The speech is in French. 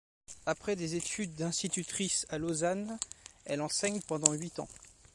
Après des études d'institutrice à Lausanne, elle enseigne pendant huit ans.